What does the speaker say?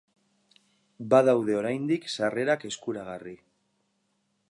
Badaude oraindik sarrerak eskuragarri.